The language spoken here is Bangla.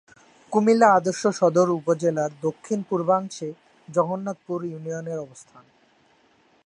কুমিল্লা আদর্শ সদর উপজেলার দক্ষিণ-পূর্বাংশে জগন্নাথপুর ইউনিয়নের অবস্থান।